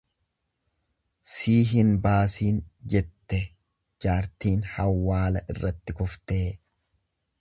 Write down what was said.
"""Sii hin baasiin"" jettee jaartiin hawwaala irratti kuftee."